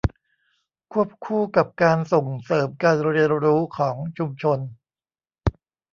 ควบคู่กับการส่งเสริมการเรียนรู้ของชุมชน